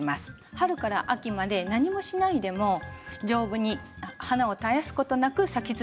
春から秋まで何もしないでも丈夫に花を絶やすことなく咲き続けるんですね。